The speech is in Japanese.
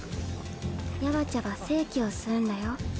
ヤバチャが生気を吸うんだよ。